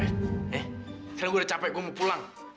eh sekarang gue udah capek gue mau pulang